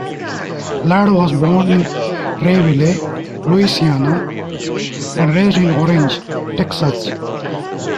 Ladd was born in Rayville, Louisiana and raised in Orange, Texas.